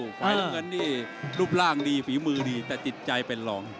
ฝ่ายน้ำเงินนี่รูปร่างดีฝีมือดีแต่จิตใจเป็นรอง